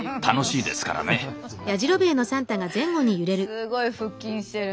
すごい腹筋してる。